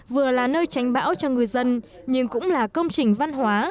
vừa là nơi tránh bão cho ngư dân nhưng cũng là công trình văn hóa